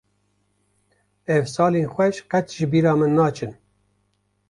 Ew salên xweş qet ji bîra min naçin.